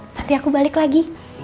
nanti aku balik lagi